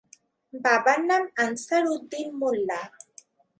বাবার নাম আনসার উদ্দিন মোল্লা।